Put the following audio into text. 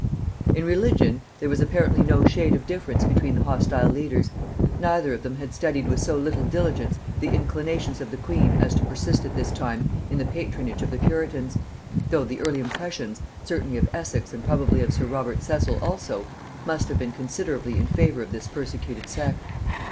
In religion there was apparently no shade of difference between the hostile leaders; neither of them had studied with so little diligence the inclinations of the queen as to persist at this time in the patronage of the puritans, though the early impressions, certainly of Essex and probably of sir Robert Cecil also, must have been considerably in favor of this persecuted sect.